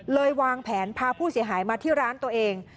วางแผนพาผู้เสียหายมาที่ร้านตัวเอง